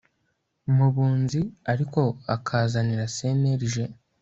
mu bunzi ariko akazanira CNLG